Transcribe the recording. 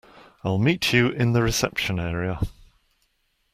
I'll meet you in the reception area.